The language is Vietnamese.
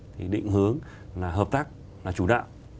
thì định hướng là hợp tác là chủ đạo